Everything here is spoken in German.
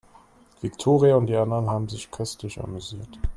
Viktoria und die anderen haben sich köstlich amüsiert.